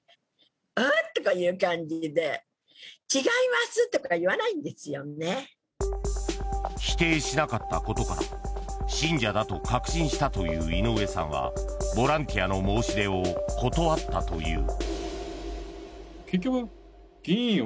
そして、３０分後いのうえさんは。否定しなかったことから信者だと確信したといういのうえさんはボランティアの申し出を断ったという。